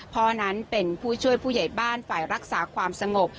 พ่อนั้นเป็นผู้ช่วยผู้ใหญ่บ้านฝ่ายรักษาความสงบ